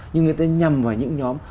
nhưng người ta nhầm vào những nhóm